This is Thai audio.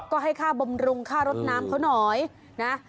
ก็ให้ค่าบำรุงค่ารถน้ำเขาหน่อยนะ